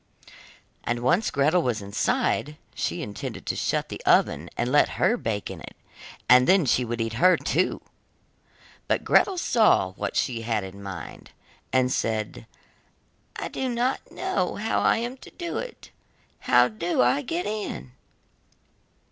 And once Gretel was inside, she intended to shut the oven and let her bake in it, and then she would eat her, too. But Gretel saw what she had in mind, and said: 'I do not know how I am to do it; how do I get in?